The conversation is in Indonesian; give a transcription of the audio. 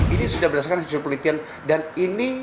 ini sudah berdasarkan hasil penelitian